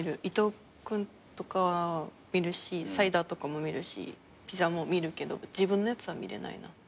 伊藤君とか見るしサイダーとかも見るしピザも見るけど自分のやつは見れないな。